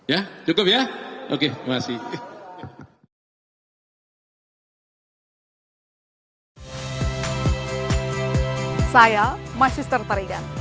ya cukup ya oke terima kasih